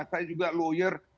saya juga pekerja